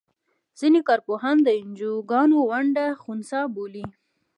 ځینې کار پوهان د انجوګانو ونډه خنثی بولي.